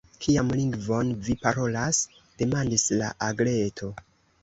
“Kian lingvon vi parolas?” demandis la Agleto.